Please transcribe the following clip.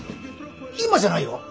今じゃないよ